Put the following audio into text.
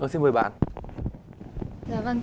xin mời bạn